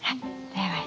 はい。